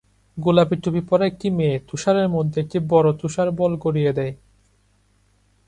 গোলাপী টুপি পরা একটি মেয়ে তুষারের মধ্যে একটি বড় তুষার বল গড়িয়ে দেয়